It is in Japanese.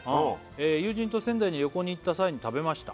「友人と仙台に旅行に行った際に食べました」